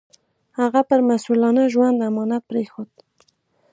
هغه پر مسوولانه ژوند امانت پرېښود.